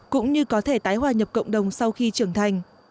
cũng như có thể tái hòa nhập cộng đồng sau khi trưởng thành